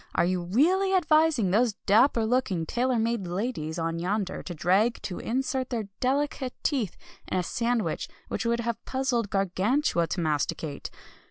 Are you really advising those dapper looking, tailor made ladies on yonder drag to insert their delicate teeth in a sandwich which would have puzzled Gargantua to masticate?"